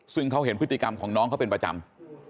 ซึ่งเขาเห็นพฤติกรรมของน้องเขาเป็นประจำ